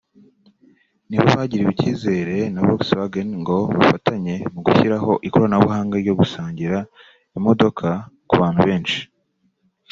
nibo bagiriwe icyizere na Volkswagen ngo bafatanye mu gushyiraho ikoranabuhanga ryo gusangira imodoka ku bantu benshi